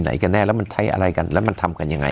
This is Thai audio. กันแน่แล้วมันใช้อะไรกันแล้วมันทำกันยังไง